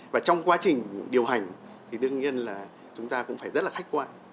và trong quá trình điều hành thì đương nhiên là chúng ta cũng phải rất là khách quan